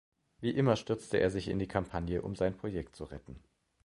Wie immer stürzte er sich in die Kampagne, um sein Projekt zu retten.